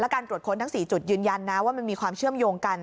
การตรวจค้นทั้ง๔จุดยืนยันนะว่ามันมีความเชื่อมโยงกัน